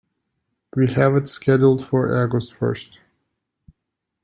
We have it scheduled for August first.